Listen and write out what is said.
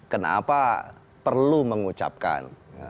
kenapa perlu mengucapkan